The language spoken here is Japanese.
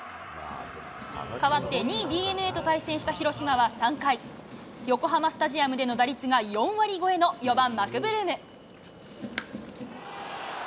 かわって２位ＤｅＮＡと対戦した広島は３回、横浜スタジアムでの打率が４割超えの４番マクブルーム。